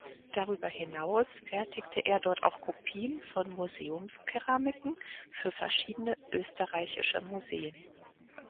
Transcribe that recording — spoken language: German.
Darüber hinaus fertigte er dort auch Kopien von Museumskeramiken für verschiedene österreichische Museen.